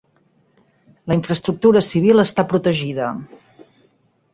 La infraestructura civil està protegida.